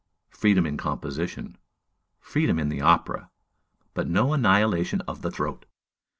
freedom in composition! freedom in the opera! but no annihilation of the throat!